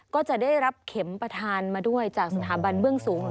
ก็จะได้รับเข็มประธานมาด้วยจากสถาบันเบื้องสูง